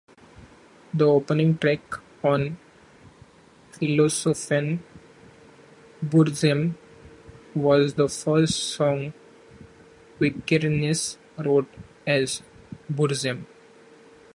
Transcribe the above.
The opening track on "Filosofem", "Burzum", was the first song Vikernes wrote as Burzum.